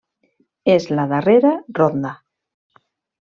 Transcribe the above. És la darrera ronda.